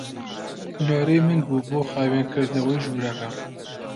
نۆرەی من بوو بۆ خاوێنکردنەوەی ژوورەکە.